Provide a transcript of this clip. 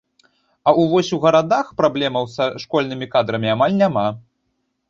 А ў вось у гарадах праблемаў са школьнымі кадрамі амаль няма.